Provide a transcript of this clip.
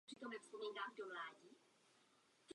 Byl obsazován také do filmů a televizních seriálů.